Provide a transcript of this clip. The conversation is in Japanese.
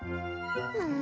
うん。